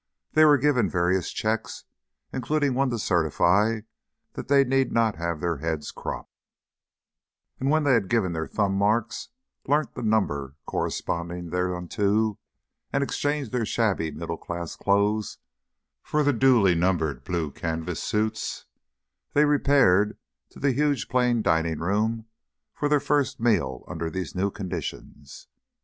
They were given various checks, including one to certify that they need not have their heads cropped; and when they had given their thumb marks, learnt the number corresponding thereunto, and exchanged their shabby middle class clothes for duly numbered blue canvas suits, they repaired to the huge plain dining room for their first meal under these new conditions.